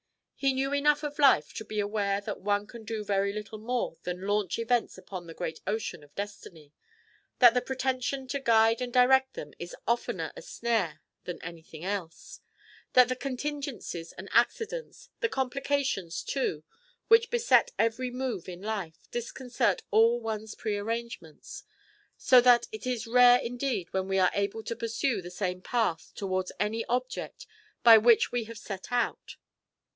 He knew enough of life to be aware that one can do very little more than launch events upon the great ocean of destiny; that the pretension to guide and direct them is oftener a snare than anything else; that the contingencies and accidents, the complications too, which beset every move in life, disconcert all one's pre arrangements, so that it is rare indeed when we are able to pursue the same path towards any object by which we have set out.